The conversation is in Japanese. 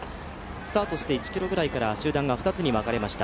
スタートして１ｋｍぐらいから集団が２つに分かれました。